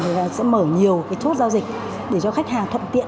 thì sẽ mở nhiều cái chốt giao dịch để cho khách hàng thuận tiện